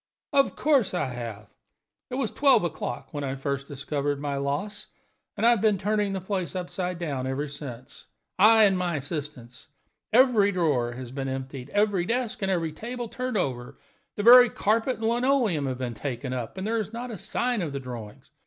"Of course I have! It was twelve o'clock when I first discovered my loss, and I have been turning the place upside down ever since I and my assistants. Every drawer has been emptied, every desk and table turned over, the very carpet and linoleum have been taken up, but there is not a sign of the drawings.